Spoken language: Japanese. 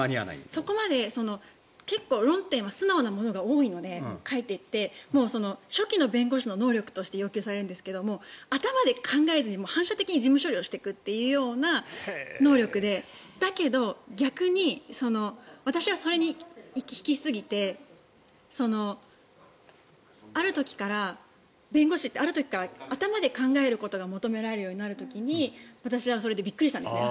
そこまで結構論点は素直なものが多いので書いていって初期の弁護士の能力として要求されるんですが頭で考えずに反射的に事務処理をしていくような能力でだけど、逆に私はそれに行きすぎてある時から弁護士って頭で考えることが求められるようになる時に私はそれでびっくりしたんです。